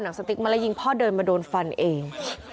แต่พ่อผมยังมีชีวิตอยู่นะครับพูดประโยคนี้ประมาณ๓รอบ